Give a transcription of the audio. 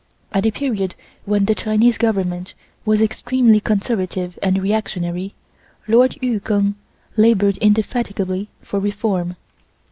At a period when the Chinese Government was extremely conservative and reactionary, Lord Yu Keng labored indefatigably for reform.